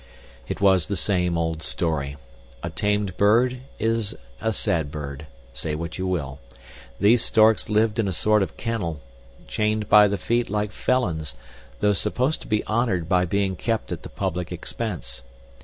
It was the same old story. A tamed bird is a sad bird, say what you will. These storks lived in a sort of kennel, chained by the feet like felons, though supposed to be honored by being kept at the public expense.